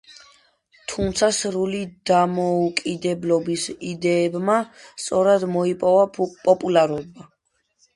თუმცა სრული დამოუკიდებლობის იდეებმა სწრაფად მოიპოვა პოპულარობა.